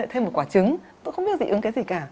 thêm một quả trứng tôi không biết dị ứng cái gì cả